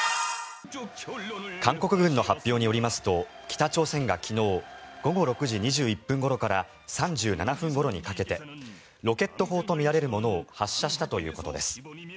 韓国軍の発表によりますと北朝鮮が昨日午後６時２１分ごろから３７分ごろにかけてロケット砲とみられるものを発射したということです。